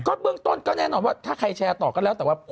เบื้องต้นก็แน่นอนว่าถ้าใครแชร์ต่อก็แล้วแต่ว่า